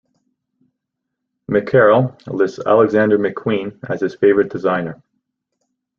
McCarroll lists Alexander McQueen as his favorite designer.